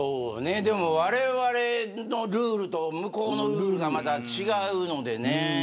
でも、われわれのルールと向こうのルールがまた違うのでね。